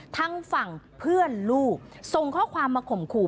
ทั้งฝั่งเพื่อนลูกส่งข้อความมาข่มขู่